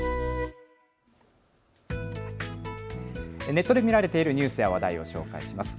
ネットで見られているニュースや話題を紹介します。